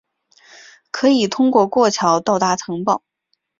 可以通过过桥到达城堡。